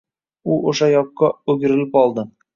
U o’sha yoqqa o’girilib oldi.